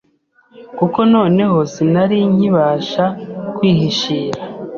kuko noneho sinari nkibasha kwihishira.